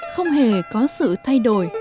không hề có sự thay đổi